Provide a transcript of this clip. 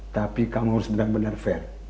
tapi kamu harus benar benar fair